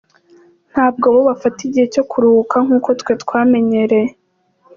Ntabwo bo bafata igihe cyo kuruhuka nk’uko twe twamenyereye.